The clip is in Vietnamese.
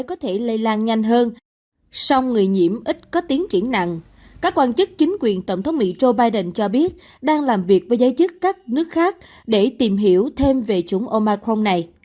các quan chức chính quyền tổng thống mỹ joe biden cho biết đang làm việc với giới chức các nước khác để tìm hiểu thêm về chủng omicron này